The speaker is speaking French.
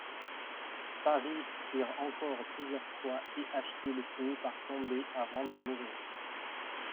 Pâris tire encore plusieurs fois et Achille finit par tomber avant de mourir.